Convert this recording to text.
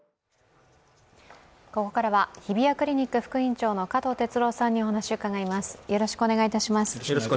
ここからは日比谷クリニック副院長の加藤哲朗さんにお話を伺います。